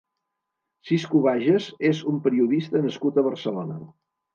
Siscu Baiges és un periodista nascut a Barcelona.